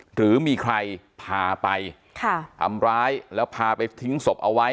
หรือมีใครพาไปทำร้ายแล้วพาไปทิ้งศพเอาไว้